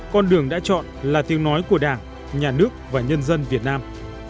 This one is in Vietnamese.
con đường đã chọn là tiếng nói của đảng nhà nước và nhân dân việt nam